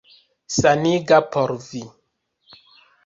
Saniga por vi.